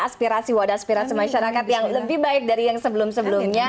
aspirasi wadah aspirasi masyarakat yang lebih baik dari yang sebelum sebelumnya